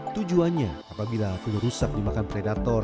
tujuannya apabila telur rusak dimakan predator